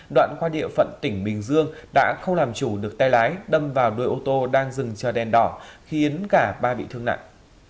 đoạn qua địa phận tỉnh bình dương đã không làm chủ được tay lái đâm vào đuôi ô tô đang dừng chờ đèn đỏ khiến cả ba bị thương nặng